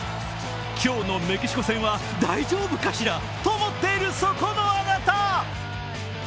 今日のメキシコ戦は大丈夫かしら？と思ってる、そこのあなた！